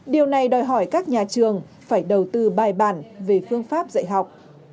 điều này đòi hỏi các nhà trường phải đầu tư bài bản về phương pháp dạy học